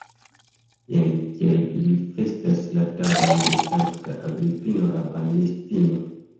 Jen kiel ili festas la tagon de sankta Agripino la Banistino!